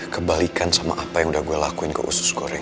kebalikan sama apa yang udah gue lakuin ke usus goreng